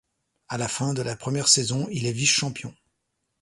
À la fin de la première saison, il est vice-champion.